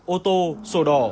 ô tô sổ đỏ